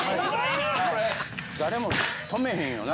誰も止めへんよな。